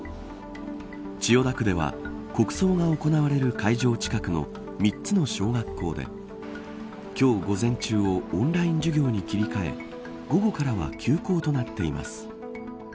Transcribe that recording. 千代田区では、国葬が行われる会場近くの３つの小学校で今日、午前中をオンライン授業に切り替え午後からは休校となっています。